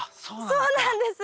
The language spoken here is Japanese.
そうなんです。